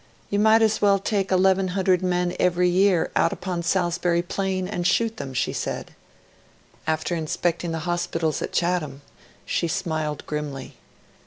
'You might as well take 1,100 men every year out upon Salisbury Plain and shoot them,' she said. After inspecting the hospitals at Chatham, she smiled grimly.